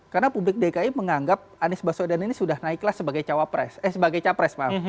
karena publik dki menganggap anies beswedan ini sudah naiklah sebagai cawapres eh sebagai capres maaf